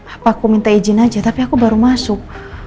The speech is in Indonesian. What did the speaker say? apa aku minta izin aja tapi aku baru masuk